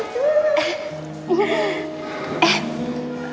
pak think tujuh